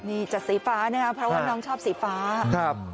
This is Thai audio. นี่จัดสีฟ้านะครับเพราะว่าน้องชอบสีฟ้าครับ